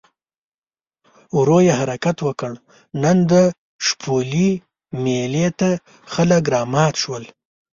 ورو یې حرکت وکړ، نن د شپولې مېلې ته خلک رامات شول.